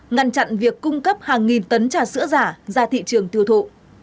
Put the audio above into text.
ngăn chặn việc cung cấp hàng nghìn tấn trà sữa giả ra thị trường tiêu thụ